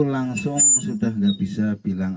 langsung sudah tidak bisa bilang